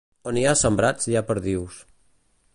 On hi ha sembrats hi ha perdius.